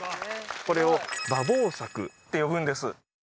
これを馬防柵って呼ぶんです